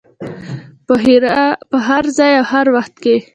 په هر ځای او هر وخت کې.